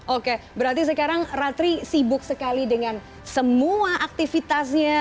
oke berarti sekarang ratri sibuk sekali dengan semua aktivitasnya